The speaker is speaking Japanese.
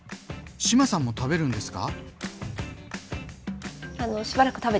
志麻さんも食べるんですか？